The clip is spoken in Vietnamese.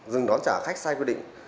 dừng đón trả khách sai quy định